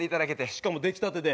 しかも出来たてで。